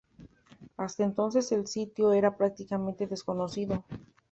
Hasta entonces el sitio era prácticamente desconocido.